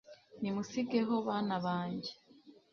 nimusigeho, bana banjye